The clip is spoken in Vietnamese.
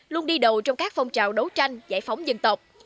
luôn đi đầu trong các phong trào đấu tranh giải phóng dân tộc